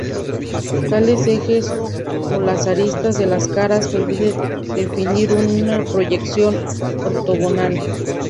Tales ejes, o las aristas de las caras, permiten definir una proyección ortogonal.